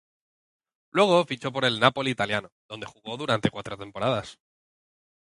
Luego fichó por el Napoli italiano donde jugó durante cuatro temporadas.